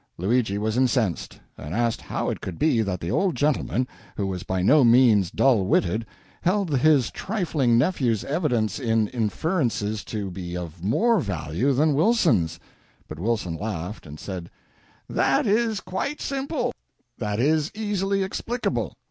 Luigi was incensed, and asked how it could be that the old gentleman, who was by no means dull witted, held his trifling nephew's evidence and inferences to be of more value than Wilson's. But Wilson laughed, and said "That is quite simple; that is easily explicable.